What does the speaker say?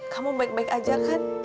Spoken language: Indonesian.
kamu baik baik aja kan